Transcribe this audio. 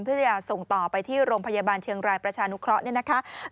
เพื่อจะส่งต่อไปที่โรงพยาบาลเชียงรายประชานุเคราะห์เนี่ยนะคะ